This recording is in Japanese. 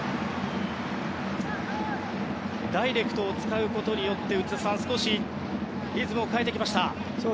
ダイレクトを使うことによってリズムを変えてきました。